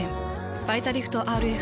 「バイタリフトＲＦ」。